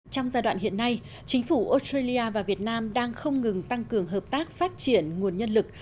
trong giai đoạn hiện nay chính phủ australia và việt nam đang không ngừng tăng cường hợp tác phát triển nguồn nhân lực